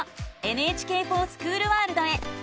「ＮＨＫｆｏｒＳｃｈｏｏｌワールド」へ。